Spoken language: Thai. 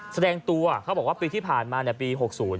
แสดงตัวเขาบอกว่าปีที่ผ่านมาปี๖๐